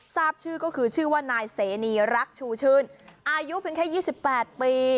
ทราบชื่อก็คือชื่อว่านายเสนีรักชูชื่นอายุเพียงแค่๒๘ปี